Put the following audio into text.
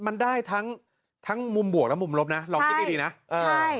มันได้ทั้งทั้งมุมบวกและมุมลบนะลองคิดดีดีนะเออ